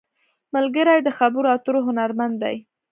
ملګری د خبرو اترو هنرمند دی